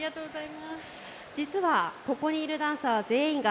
実はここにいるダンサー全員が